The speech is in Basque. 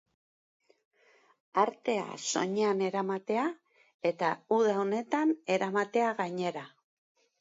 Artea soinean eramatea, eta uda honetan eramatea gainera.